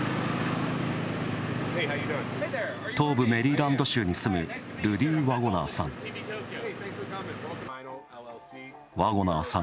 東部メリーランド州に住むルディー・ワゴナーさん。